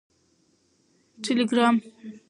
ټیلیګرام